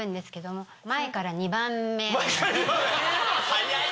早い！